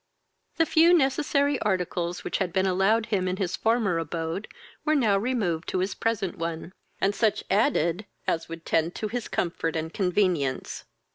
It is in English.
The few necessary articles which had been allowed him in his former abode were now removed to his present one, and such added as would tend to his comfort and convevience.